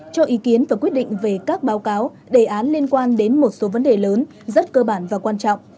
cho ý kiến và quyết định về các báo cáo đề án liên quan đến một số vấn đề lớn rất cơ bản và quan trọng